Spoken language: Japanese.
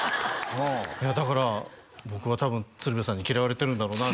いやだから僕は多分鶴瓶さんに嫌われてるんだろうな